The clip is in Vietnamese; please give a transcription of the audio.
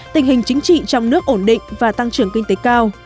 tình hình chính trị trong nước ổn định và tăng trưởng kinh tế cao